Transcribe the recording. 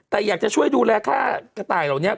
แต่อยากจะช่วยดูแลค่ากระต่ายเหล่านี้